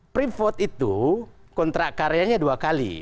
prevot itu kontrak karyanya dua kali